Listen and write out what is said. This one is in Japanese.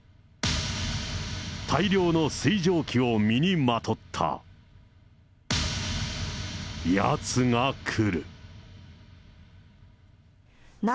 大量の水蒸気を身にまとったヤツが来る。